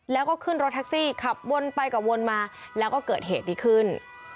แล้วก็ขึ้นรถแท็กซี่ขับวนไปกับวนมาแล้วก็เกิดเหตุนี้ขึ้น